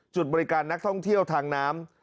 จุดบริการนักท่องเที่ยวทางน้ำ